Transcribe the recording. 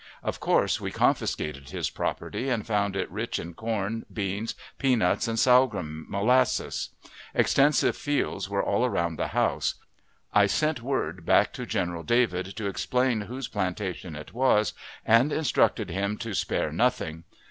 Of course, we confiscated his property, and found it rich in corn, beans, pea nuts, and sorghum molasses. Extensive fields were all round the house; I sent word back to General David to explain whose plantation it was, and instructed him to spare nothing.